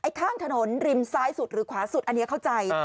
ข้างถนนริมซ้ายสุดหรือขวาสุดอันนี้เข้าใจ